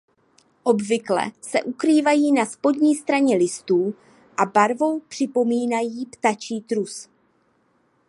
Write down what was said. Obvykle se ukrývají na spodní straně listů a barvou připomínají ptačí trus.